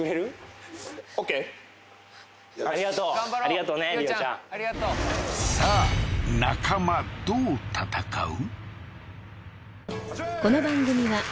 ありがとうありがとうね莉央ちゃんさあ中間どう戦う？